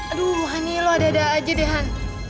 aduh hani lo ada ada aja deh han